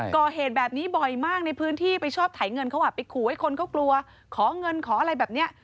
ก่อเหตุแบบนี้บ่อยมากในพื้นที่ไปชอบถ่ายเงินเขาอ่ะไปขู่ให้คนเขากลัวขอเงินขออะไรแบบนี้